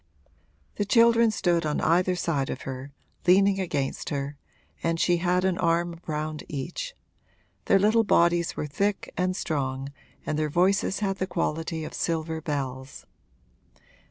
The children stood on either side of her, leaning against her, and she had an arm round each; their little bodies were thick and strong and their voices had the quality of silver bells.